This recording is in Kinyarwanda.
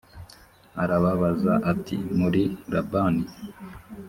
arababaza ati muzi labani?